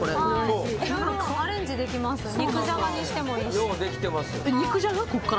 肉じゃがにしても味付いてる。